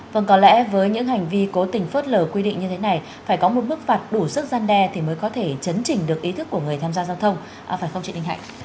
vâng có lẽ với những hành vi cố tình phớt lờ quy định như thế này phải có một mức phạt đủ sức gian đe thì mới có thể chấn chỉnh được ý thức của người tham gia giao thông phải không chị đinh hạnh